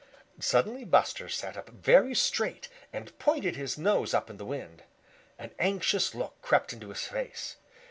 Suddenly Buster sat up very straight and pointed his nose up in the wind. An anxious look crept into his face.